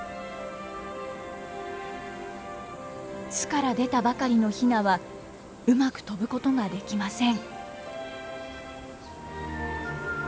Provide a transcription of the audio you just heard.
巣から出たばかりのヒナはうまく飛ぶことができません。